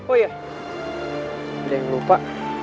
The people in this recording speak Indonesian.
oh ya ada yang lupa